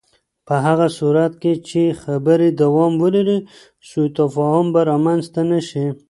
په هغه صورت کې چې خبرې دوام ولري، سوء تفاهم به رامنځته نه شي.